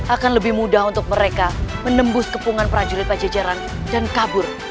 akan lebih mudah untuk mereka menembus kepungan prajurit pajajaran dan kabur